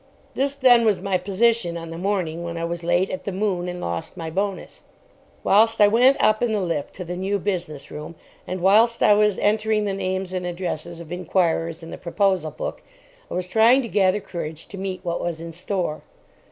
This, then, was my position on the morning when I was late at the "Moon" and lost my bonus. Whilst I went up in the lift to the New Business Room, and whilst I was entering the names and addresses of inquirers in the Proposal Book, I was trying to gather courage to meet what was in store.